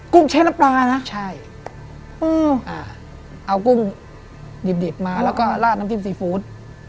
กุ้งใช้น้ำปลานะใช่เอากุ้งดิบมาแล้วก็ลาดน้ำจิ้มซีฟู้ด